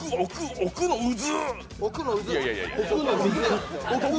奥の渦！